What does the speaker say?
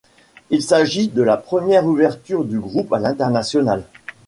Il s'agit de la première ouverture du groupe à l'international.